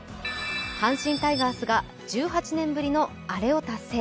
阪神タイガースが１８年ぶりのアレを達成。